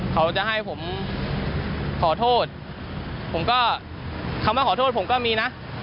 เขาจะให้ผมขอโทษผมก็คำว่าขอโทษผมก็มีนะ